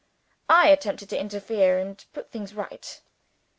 I attempted to interfere and put things right.